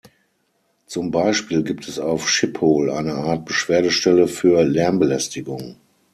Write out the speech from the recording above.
Zum Beispiel gibt es auf Schiphol eine Art Beschwerdestelle für Lärmbelästigung.